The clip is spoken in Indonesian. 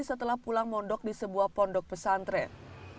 setelah pulang mondok di sebuah pondok pesantren